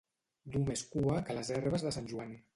Dur més cua que les herbes de Sant Joan.